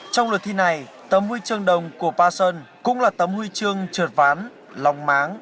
trong lượt thi này tấm huy chương đồng của passos cũng là tấm huy chương trượt ván lòng máng